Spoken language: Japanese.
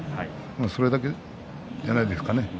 それだけじゃないですかね。